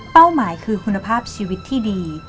หมายคือคุณภาพชีวิตที่ดี